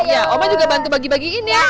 ya oma juga bantu bagi bagiin ya